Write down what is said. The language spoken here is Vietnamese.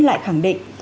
lại khẳng định